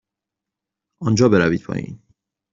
آنجا بروید پایین.